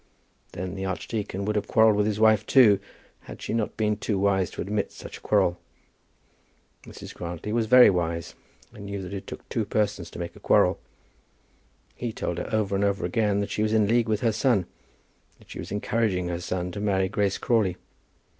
Then the archdeacon would have quarrelled with his wife too, had she not been too wise to admit such a quarrel. Mrs. Grantly was very wise and knew that it took two persons to make a quarrel. He told her over and over again that she was in league with her son, that she was encouraging her son to marry Grace Crawley.